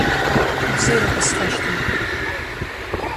Убзиарақәа схашҭуам.